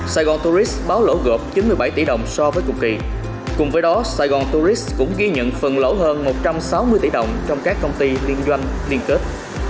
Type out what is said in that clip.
saigon tourist báo lỗ gộp chín mươi bảy tỷ đồng so với cuộc kỳ cùng với đó saigon tourist cũng ghi nhận phần lỗ hơn một trăm sáu mươi tỷ đồng trong các công ty liên doanh liên kết